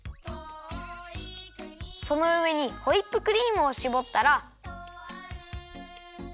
そのうえにホイップクリームをしぼったら。